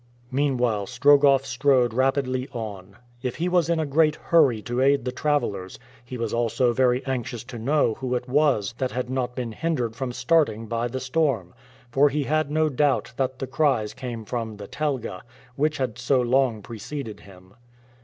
Meanwhile Strogoff strode rapidly on. If he was in a great hurry to aid the travelers, he was also very anxious to know who it was that had not been hindered from starting by the storm; for he had no doubt that the cries came from the telga, which had so long preceded him.